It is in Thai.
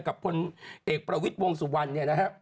กับคนเอกประวิทย์วงสุวรรณ